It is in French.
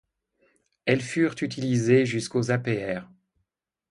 Elles furent utilisées jusqu'au apr.